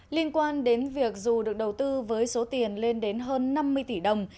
liên quan đến việc dù được đầu tư với số tiền lên đến hơn năm mươi tỷ đồng